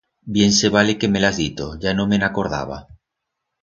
Bien se vale que me l'has dito, ya no me'n acordaba.